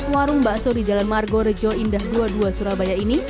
warung bakso di jalan margorejo indah dua puluh dua surabaya ini